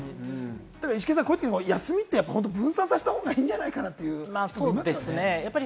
イシケンさん、こういうとき休みって分散させた方がいいんじゃないかなというね。